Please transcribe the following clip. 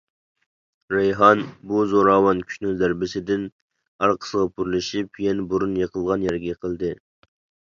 رەيھان بۇ زوراۋان كۈچنىڭ زەربىسىدىن ئارقىسىغا پۇرلىشىپ يەنە بۇرۇن يېقىلغان يەرگە يېقىلدى.